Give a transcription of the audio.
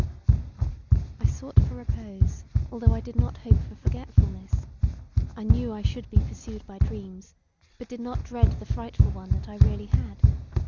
I sought for repose although I did not hope for forgetfulness; I knew I should be pursued by dreams, but did not dread the frightful one that I really had.